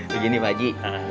begini pak aji